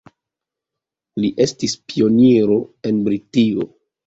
Li estis pioniro en Britio.